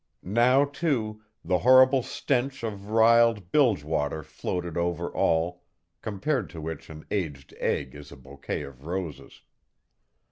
Now, too, the horrible stench of riled bilge water floated over all compared to which an aged egg is a bouquet of roses.